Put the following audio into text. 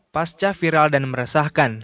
pasca viral dan meresahkan